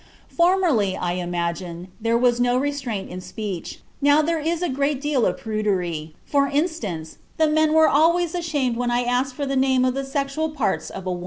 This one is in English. Formerly, I imagine, there was no restraint in speech; now there is a great deal of prudery; for instance, the men were always much ashamed when I asked for the name of the sexual parts of a woman."